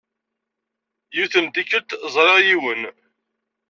Yiwet n tikkelt, ẓriɣ yiwen.